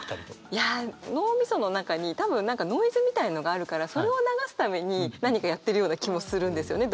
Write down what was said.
いや脳みその中に多分ノイズみたいのがあるからそれを流すために何かやってるような気もするんですよね